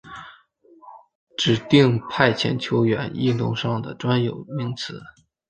指定派遣球员异动上的专有名词。